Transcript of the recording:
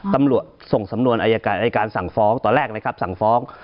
ตำรวจส่งสำนวนอายการอายการสั่งฟ้องตอนแรกนะครับสั่งฟ้อง